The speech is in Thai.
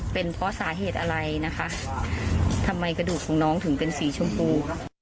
เป็นเพราะสาเหตุอะไรนะคะทำไมกระดูกของน้องถึงเป็นสีชมพู